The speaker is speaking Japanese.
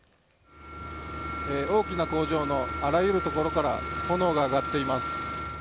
大きな工場のあらゆる所から炎が上がっています。